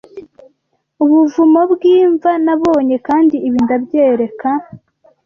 Ubuvumo bwImva Nabonye Kandi ibi ndabyereka